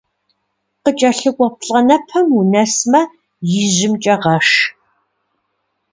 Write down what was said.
Къыкӏэлъыкӏуэ плӏэнэпэм унэсмэ, ижьымкӏэ гъэш.